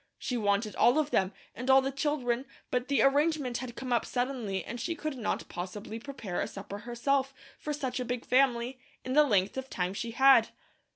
She wanted all of them, and all the children, but the arrangement had come up suddenly, and she could not possibly prepare a supper herself, for such a big family, in the length of time she had.